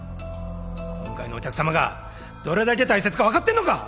今回のお客様がどれだけ大切か分かってんのか？